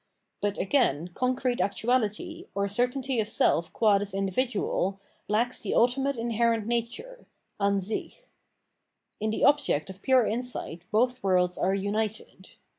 But, again, concrete actuahty, or certainty of self qua this individual, lacks the ultimate inherent nature {Ansich ). In the obj ect of pure insight both worlds are united.